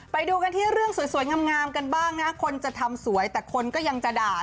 ไปดูกันที่เรื่องสวยงามกันบ้างนะคนจะทำสวยแต่คนก็ยังจะด่า